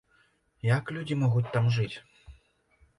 Як людзі могуць там жыць?